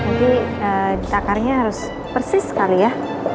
nanti ditakarnya harus persis kali ya